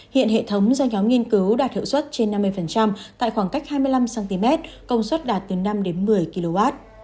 hiện hệ thống do nhóm nghiên cứu đạt hiệu suất trên năm mươi tại khoảng cách hai mươi năm cm công suất đạt từ năm một mươi kw